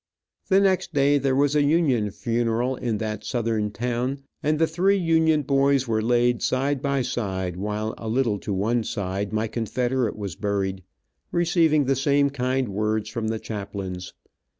The next day there was a Union funeral in that Southern town, and the three Union boys were laid side by side, while a little, to one side my Confederate was buried, receiving the same kind words from the chaplains.